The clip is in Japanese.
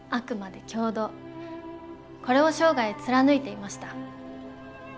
これを生涯貫いていました。